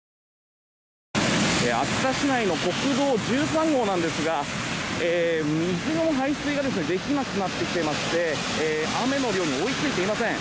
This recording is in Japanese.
秋田市内の国道１３号なんですが水の排水ができなくなってきていまして雨の量に追い付いていません。